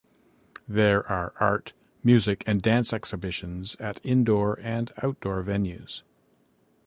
There are art, music and dance exhibitions at indoor and outdoor venues.